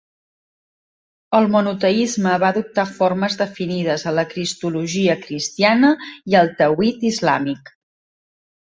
El monoteisme va adoptar formes definides a la cristologia cristiana i al tawhid islàmic.